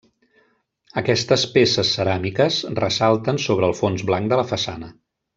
Aquestes peces ceràmiques ressalten sobre el fons blanc de la façana.